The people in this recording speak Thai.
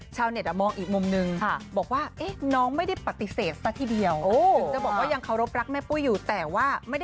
ชาวเน็ตมองอีกมุมนึงบอกว่าน้องไม่ได้ปฏิเสธซะทีเดียว